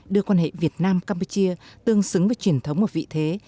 đưa quan hệ việt nam campuchia tương xứng với truyền thống và vị thế